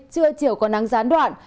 trưa chiều còn nắng gián đoạn